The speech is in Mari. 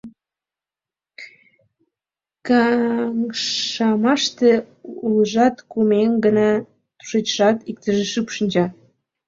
Каҥашымаште улыжат кум еҥ гына, тушечшат иктыже шып шинча.